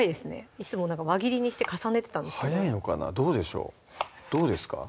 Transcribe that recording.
いつも輪切りにして重ねてた早いのかなどうでしょうどうですか？